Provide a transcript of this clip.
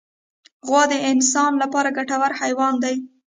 غوا د انسان لپاره ګټور حیوان دی.